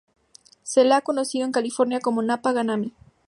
Se le ha conocido en California como Napa gamay.